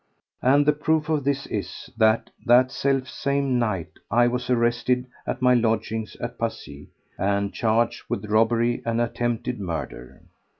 And the proof of this is, that that selfsame night I was arrested at my lodgings at Passy, and charged with robbery and attempted murder.